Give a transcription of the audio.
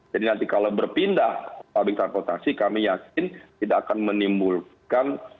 jadi nanti kalau berpindah public transportasi kami yakin tidak akan menimbulkan